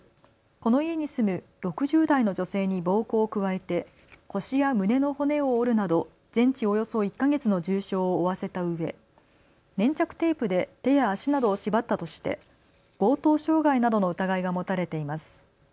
この家に住む６０代の女性に暴行を加えて腰や胸の骨を折るなど全治およそ１か月の重傷を負わせたうえ粘着テープで手や足などを縛ったとして強盗傷害などの疑いが持たれています。